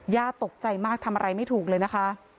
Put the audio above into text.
ตกใจมากทำอะไรไม่ถูกเลยนะคะ